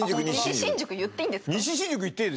西新宿言っていいですよ